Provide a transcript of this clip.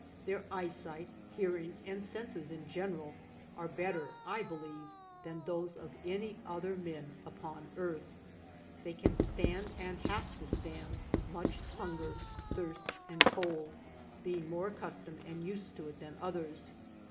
Their eyesight, hearing and senses in general are better, I believe, than 122 ALVAR NUNEZ CABEZA DE VACA those of any other men upon earth. They can stand, and have to stand, much hunger, thirst and cold, being more accustomed and used to it than others.